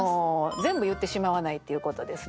全部言ってしまわないっていうことですね。